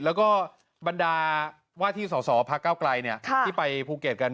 แล้วก็บรรดาว่าที่สอสอพักเก้าไกลที่ไปภูเก็ตกัน